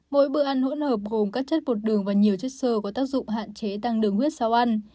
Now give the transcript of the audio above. mỗi bữa ăn hỗn hợp gồm các chất bột đường và nhiều chất sơ có tác dụng hạn chế tăng đường huyết sau ăn